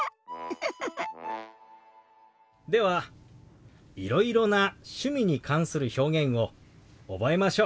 ではいろいろな趣味に関する表現を覚えましょう。